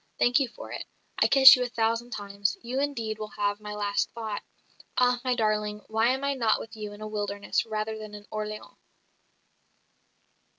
Thank you for it. I kiss you a thousand times. You indeed will have my last thought. Ah, my darling, why am I not with you in a wilderness rather than in Orleans?"